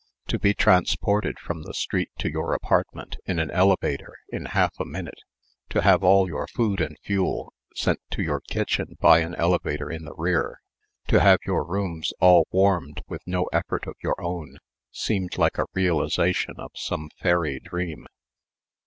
To be transported from the street to your apartment in an elevator in half a minute, to have all your food and fuel sent to your kitchen by an elevator in the rear, to have your rooms all warmed with no effort of your own, seemed like a realization of some fairy dream.